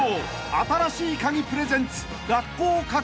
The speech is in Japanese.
『新しいカギ』プレゼンツ］